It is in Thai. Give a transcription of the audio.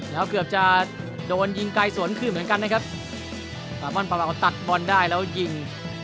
แล้วเกือบจะโดนยิงไกลสวนคืนเหมือนกันนะครับปาม่อนปาวาวตัดบอลได้แล้วยิง